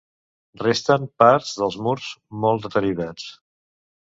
Resten parts dels murs, molt deteriorats.